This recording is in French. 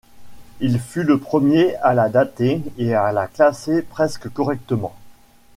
Il fut le premier à la dater et à la classer presque correctement.